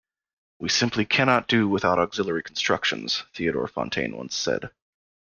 'We simply cannot do without auxiliary constructions', Theodor Fontane once said.